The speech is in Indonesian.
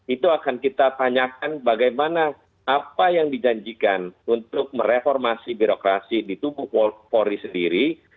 itu akan kita tanyakan bagaimana apa yang dijanjikan untuk mereformasi birokrasi di tubuh polri sendiri